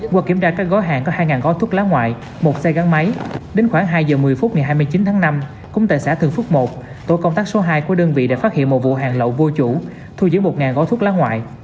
qua kiểm tra các gói hàng có hai gói thuốc lá ngoại một xe gắn máy đến khoảng hai giờ một mươi phút ngày hai mươi chín tháng năm cũng tại xã thường phước một tổ công tác số hai của đơn vị đã phát hiện một vụ hàng lậu vô chủ thu giữ một gói thuốc lá ngoại